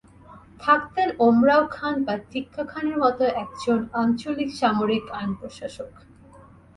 থাকতেন ওমরাও খান বা টিক্কা খানের মতো একজন আঞ্চলিক সামরিক আইন প্রশাসক।